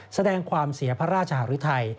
แสดงความเสียพระราชหารุทัย